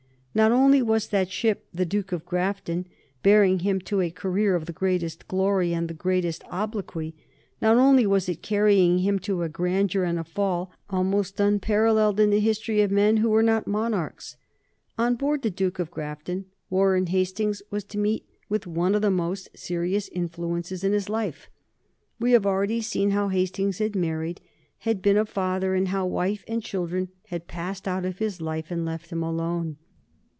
Not only was that ship, the "Duke of Grafton," bearing him to a career of the greatest glory and the greatest obloquy; not only was it carrying him to a grandeur and a fall almost unparalleled in the history of men who were not monarchs. On board the "Duke of Grafton" Warren Hastings was to meet with one of the most serious influences of his life. We have already seen how Hastings had married, had been a father, and how wife and children had passed out of his life and left him alone.